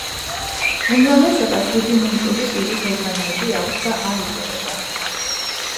უმრავლესობას რუდიმენტული პირის ორგანოები აქვს და არ იკვებება.